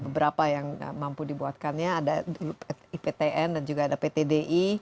beberapa yang mampu dibuatkannya ada iptn dan juga ada pt di